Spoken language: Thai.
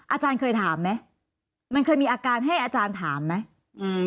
อาจารย์เคยถามไหมมันเคยมีอาการให้อาจารย์ถามไหมอืม